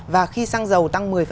và khi xăng dầu tăng một mươi